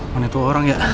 mana itu orang ya